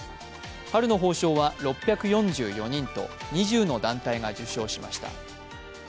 春の褒章は、６４４人と２０の団体が受章しました。